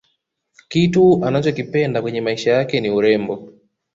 kitu anachokipenda kwenye maisha yake ni urembo